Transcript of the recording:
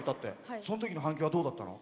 そのときの反響はどうだったの？